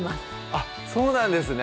あっそうなんですね